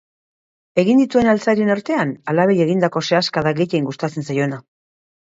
Egin dituen altzarien artean, alabei egindako sehaska da gehien gustatzen zaiona.